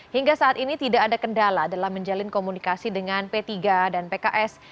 hingga saat ini tidak ada kendala dalam menjalin komunikasi dengan p tiga dan pks